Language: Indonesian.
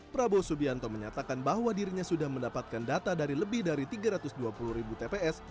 prabowo subianto menyatakan bahwa dirinya sudah mendapatkan data dari lebih dari tiga ratus dua puluh ribu tps